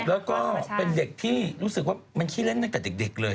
แล้วก็เป็นเด็กที่รู้สึกว่ามันขี้เล่นตั้งแต่เด็กเลย